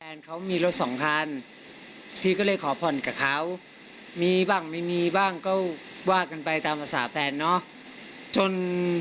เขามีรถสองคันทีก็เลยขอผ่อนกับเขามีบ้างไม่มีบ้างก็ว่ากันไปตามภาษาแฟนเนาะจน